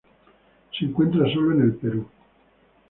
Se encuentra sólo en el Perú.